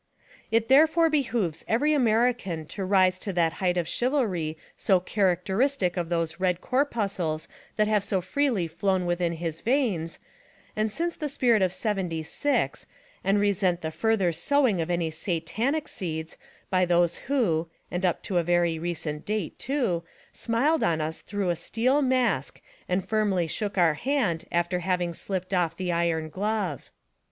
It therefore behooves every American to rise to that height of chivalry so characteristic of those red corpuscles that have so freely flown within his veins, and since the spirit of '76, and resent the further sowing of any satanic seeds by those who, and up to a very recent date, too, smiled on us tlarough a steel mask and firmly shook our hand after having slipped off the iron glove.